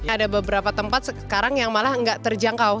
ada beberapa tempat sekarang yang malah nggak terjangkau